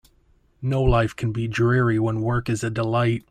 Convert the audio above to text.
No life can be dreary when work is a delight.